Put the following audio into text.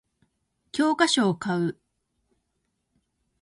教科書を買う